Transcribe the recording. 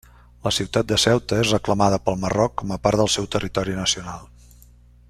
La ciutat de Ceuta és reclamada pel Marroc com a part del seu territori nacional.